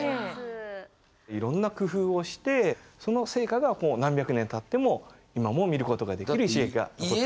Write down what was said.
いろんな工夫をしてその成果がもう何百年たっても今も見ることができる石垣が残っております。